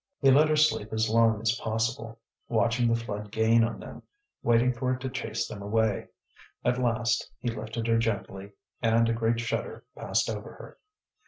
He let her sleep as long as possible, watching the flood gain on them, waiting for it to chase them away. At last he lifted her gently, and a great shudder passed over her.